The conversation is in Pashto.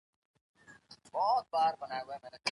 نړیوالي اړیکي هغه موضوع ده چي په سیاست کي ډېر ارزښت لري.